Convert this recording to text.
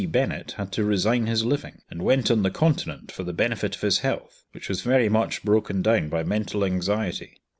Bennett had to resign his living, and went on the continent for the benefit of his health, which was very much broken down by mental anxiety.